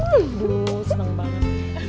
aduh seneng banget